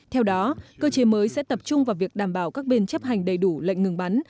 theo đó cơ chế mới sẽ tập trung vào việc đảm bảo các bên chấp hành đầy đủ lệnh ngừng bắn